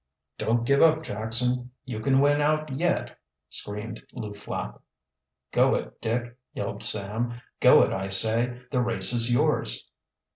"Don't give up, Jackson, you can win out yet!" screamed Lew Flapp. "Go it, Dick!" yelled Sam. "Go it, I say! The race is yours!"